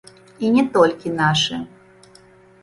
І не толькі нашы.